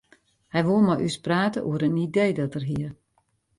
Hy woe mei ús prate oer in idee dat er hie.